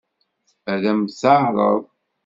Ad m-t-teɛṛeḍ?